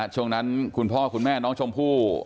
ช่วงนั้นคุณพ่อคุณแม่น้องชมพู่